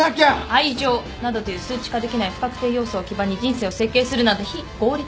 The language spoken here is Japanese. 愛情などという数値化できない不確定要素を基盤に人生を設計するなんて非合理的よ。